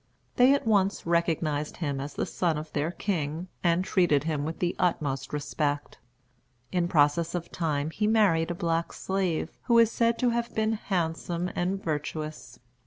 They at once recognized him as the son of their king, and treated him with the utmost respect. In process of time he married a black slave, who is said to have been handsome and virtuous.